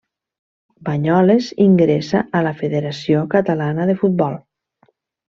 Banyoles ingressa a la Federació Catalana de Futbol.